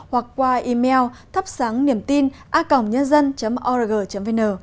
hoặc qua email thapsangniemtina org vn